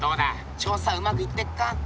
調査はうまくいってっか？